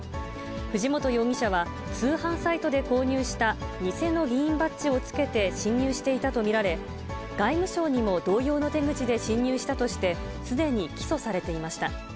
藤本容疑者は、通販サイトで購入した偽の議員バッジをつけて侵入していたと見られ、外務省にも同様の手口で侵入したとして、すでに起訴されていました。